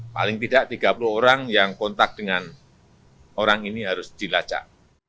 paling tidak tiga puluh orang yang kontak dengan orang ini harus dilacak